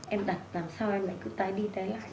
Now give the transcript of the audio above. em đặt làm sao em lại cứ tái đi tái lại